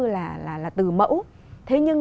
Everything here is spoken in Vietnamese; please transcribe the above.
là từ mẫu thế nhưng